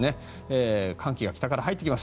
寒気が北から入ってきます。